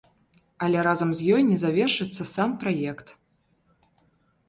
Але разам з ёй не завершыцца сам праект.